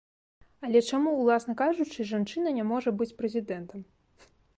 Але чаму, уласна кажучы, жанчына не можа быць прэзідэнтам?